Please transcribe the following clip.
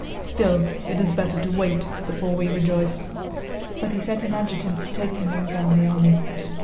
Still, it is better to wait before we rejoice." But he sent an adjutant to take the news round the army.